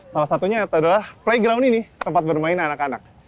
salah satunya adalah playground ini tempat bermain anak anak